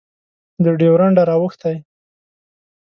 له ډیورنډه رااوښتی